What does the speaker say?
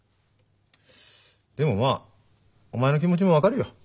でもまあお前の気持ちも分かるよ。